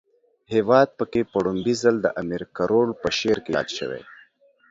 هیواد پکی په ړومبی ځل د امیر کروړ په شعر کې ياد شوی